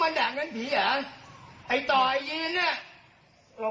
ก็เก็บเหมือนเดิน